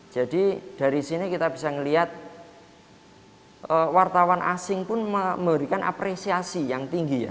jadi dari sini kita bisa melihat wartawan asing pun memberikan apresiasi yang tinggi ya